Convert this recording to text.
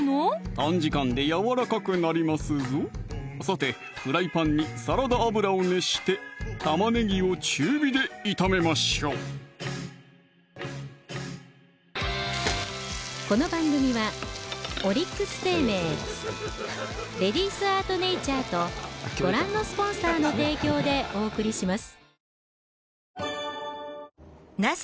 短時間でやわらかくなりますぞさてフライパンにサラダ油を熱して玉ねぎを中火で炒めましょう今週は番組から素敵なプレゼントがあります